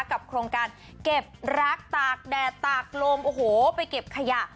กับโครงการเก็บรักตากแดดตากโลมไปเก็บขยะ